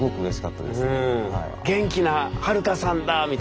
元気なはるかさんだみたいになって。